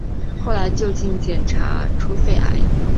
后来就竟然检查出肺癌